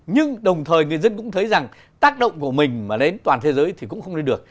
nhưng đồng thời người dân cũng thấy rằng tác động của mình mà đến toàn thế giới thì cũng không lên được